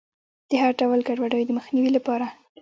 د هر ډول ګډوډیو د مخنیوي لپاره.